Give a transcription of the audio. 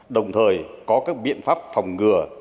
đồng thời có các biện pháp phòng ngừa